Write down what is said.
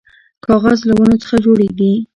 کاغذ له ونو څخه جوړیږي